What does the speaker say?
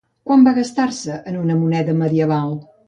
Quant va gastar-se en una moneda medieval?